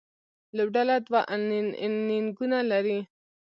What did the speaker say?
لوبډله دوه انینګونه لري.